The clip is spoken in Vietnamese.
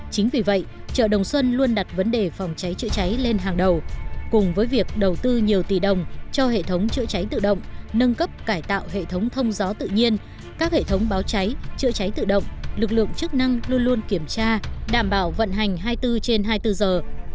chính vì vậy chợ đồng xuân luôn đặt vấn đề phòng cháy chữa cháy lên hàng đầu cùng với việc đầu tư nhiều tỷ đồng cho hệ thống chữa cháy tự động nâng cấp cải tạo hệ thống thông gió tự nhiên các hệ thống báo cháy chữa cháy tự động lực lượng chức năng luôn luôn kiểm tra đảm bảo vận hành hai mươi bốn trên hai mươi bốn giờ